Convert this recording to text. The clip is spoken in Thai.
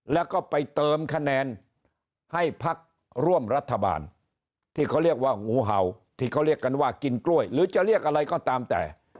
แล้วก็ไปเติมคะแนนให้พักร่วมรัฐบาลที่เขาเรียกว่างูเห่าที่เขาเรียกกันว่ากินกล้วยหรือจะเรียกอะไรก็ตามแต่